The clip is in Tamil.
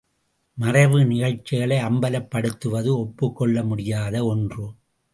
மறைவு நிகழ்ச்சிகளை அம்பலப் படுத்துவது ஒப்புக்கொள்ள முடியாத ஒன்று.